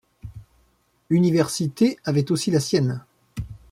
Université avait aussi la sienne.